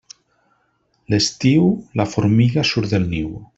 L'estiu, la formiga surt del niu.